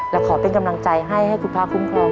และขอเป็นกำลังใจให้ให้คุณพระคุ้มครอง